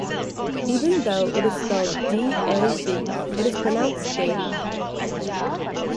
Even though it is spelled D-A-V, it is pronounced "Dave".